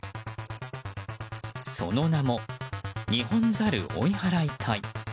その名も、ニホンザル追い払い隊。